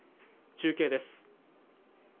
中継です